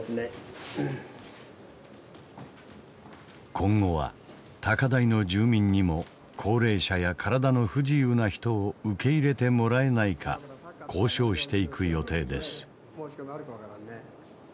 今後は高台の住民にも高齢者や体の不自由な人を受け入れてもらえないか交渉していく予定です。